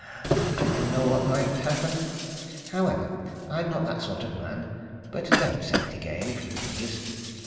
I don't know what mightn't happen. However I'm not that sort of man. But don't say it again, if you please!"